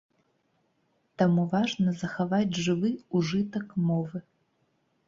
Таму важна захаваць жывы ўжытак мовы.